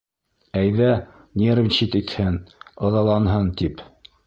Әйҙә нервничать итһен, ыҙаланһын тип.